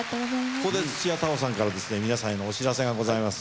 ここで土屋太鳳さんから皆さんへのお知らせがございます。